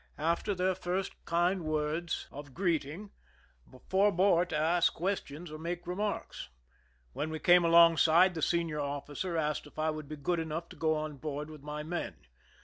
■ ^i^ ■■II^ShI? ^ IMPRISONMENT IN MORRO CASTLE greeting, forbore to ask questions or naake remarks. When we came alongside, the senior officer asked if I would be good enough to go on board with my men.